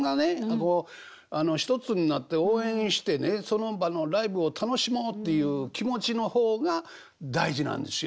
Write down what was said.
こう一つになって応援してねその場のライブを楽しもうっていう気持ちの方が大事なんですよ。